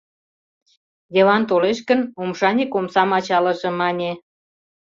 Йыван толеш гын, омшаник омсам ачалыже, мане.